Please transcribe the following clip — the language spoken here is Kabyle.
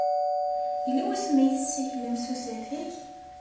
Yella wasmi ay tessaklem s usafag?